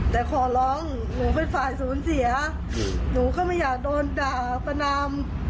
แต่ขอร้องหนูเป็นฝ่ายศูนย์เสียหนูก็ไม่อยากโดนด่าประนาม